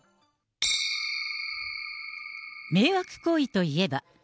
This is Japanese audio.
迷惑行為といえば。